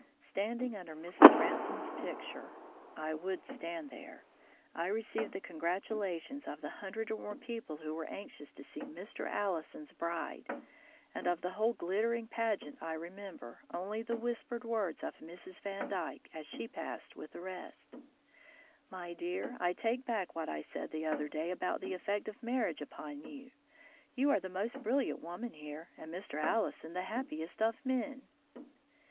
Standing under Mrs. Ransome's picture (I would stand there), I received the congratulations of the hundred or more people who were anxious to see Mr. Allison's bride, and of the whole glittering pageant I remember only the whispered words of Mrs. Vandyke as she passed with the rest: "My dear, I take back what I said the other day about the effect of marriage upon you. You are the most brilliant woman here, and Mr. Allison the happiest of men."